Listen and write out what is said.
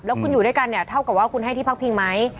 แล้วคุณอยู่ด้วยกันเนี่ยเท่ากับว่าคุณให้ที่พักพิงไหม